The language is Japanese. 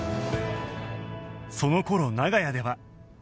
その頃長屋では